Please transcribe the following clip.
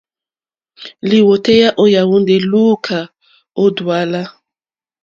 Lìwòtéyá ó yàwùndè lùúkà ó dùálá.